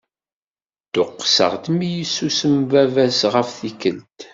Dduqseɣ-d mi yessusem baba-s ɣef tikkelt.